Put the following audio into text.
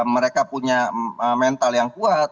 mereka punya mental yang kuat